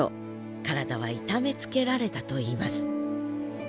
体は痛めつけられたといいます。